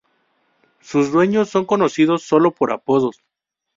Sus dueños son conocidos solo por apodos.